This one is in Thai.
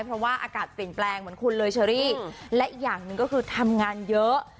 เพราะว่าอากาศเปลี่ยนแปลงเหมือนคุณเลยเชอรี่และอีกอย่างหนึ่งก็คือทำงานเยอะ